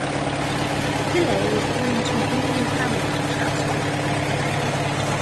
Pillay was born into an Indian family in Chatsworth.